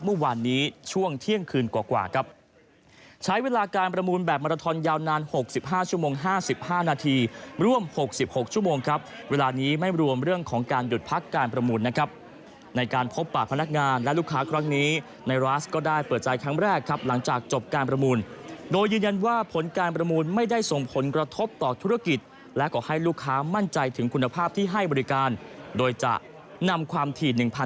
เมื่อวานนี้ช่วงเที่ยงคืนกว่ากว่ากับใช้เวลาการประมูลแบบมาราทอนยาวนาน๖๕ชั่วโมง๕๕นาทีร่วม๖๖ชั่วโมงครับเวลานี้ไม่รวมเรื่องของการหยุดพักการประมูลนะครับในการพบปากพนักงานและลูกค้าครั้งนี้ในรัสก็ได้เปิดใจครั้งแรกครับหลังจากจบการประมูลโดยยืนยันว่าผลการประมูลไม่ได้ส่งผลกระทบต่อ